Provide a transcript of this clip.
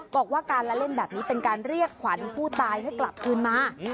บอกว่าการละเล่นแบบนี้เป็นการเรียกขวัญผู้ตายให้กลับคืนมา